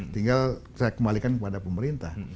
tinggal saya kembalikan kepada pemerintah